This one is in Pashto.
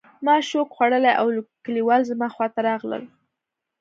ما شوک خوړلی و او کلیوال زما خواته راغلل